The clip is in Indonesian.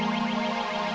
orang daru yang kasar